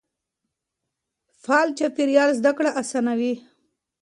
فعال چاپېريال زده کړه اسانوي.